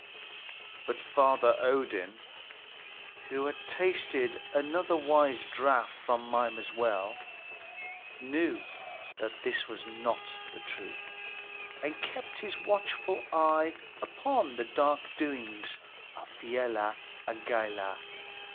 But Father Odin, who had tasted another wise draught from Mimer's well, knew that this was not the truth, and kept his watchful eye upon the dark doings of Fialar and Galar.